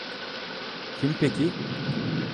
Kim peki?